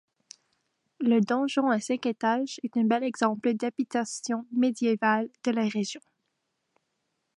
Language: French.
Le donjon à cinq étages est un bel exemple d'habitation médiévale de la région.